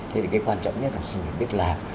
thế thì cái quan trọng nhất là học sinh phải biết làm